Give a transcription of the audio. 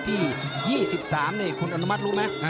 ที่๒๓คุณอนุมัติรู้ไหม